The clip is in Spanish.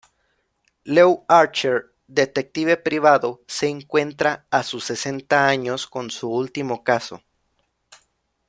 Lew Archer detective privado, se encuentra a sus sesenta años con su último caso.